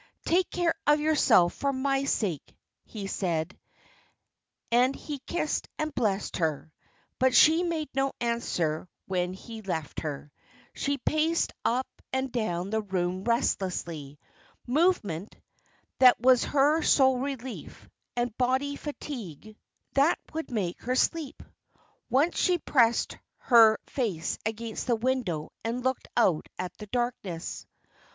"Take care of yourself for my sake," he said, as he kissed and blessed her; but she made no answer when he left her. She paced up and down the room restlessly. Movement that was her sole relief; and bodily fatigue that would make her sleep. Once she pressed her face against the window and looked out at the darkness.